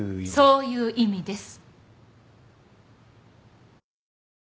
そういう意味です。